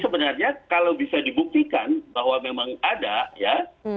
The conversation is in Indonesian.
sebenarnya kalau bisa dibuktikan bahwa memang ada ya